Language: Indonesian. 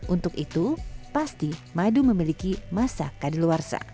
untuk itu madu yang dipanaskan tidak akan memiliki masa kedeluarsa